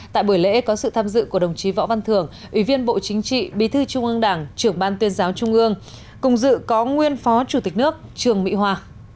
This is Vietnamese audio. tại buổi lễ có sự tham dự của đồng chí võ văn thưởng ủy viên bộ chính trị bí thư trung ương đảng trưởng ban tuyên giáo trung ương cùng dự có nguyên phó chủ tịch nước trường mỹ hoa